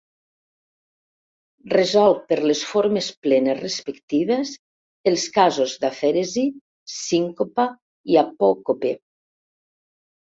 Resolc per les formes plenes respectives els casos d’afèresi, sincopa i apòcope.